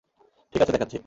ঠিক আছে দেখাচ্ছি।